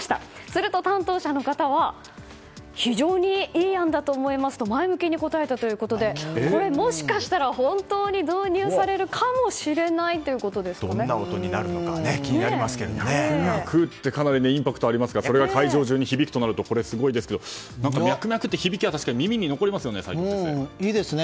すると、担当者の方は非常にいい案だと思いますと前向きに答えたということでこれはもしかしたら本当に導入されるかもしれないどんな音になるのかミャクミャクってかなりインパクトがありますからそれが会場中に響くとなるとすごいですけどミャクミャクって響きはいいですね。